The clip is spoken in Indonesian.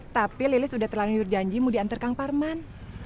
tapi lilis udah telah nyuruh janji mau diantar kang parman